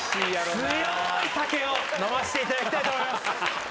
強い酒を飲ませていただきたいと思います。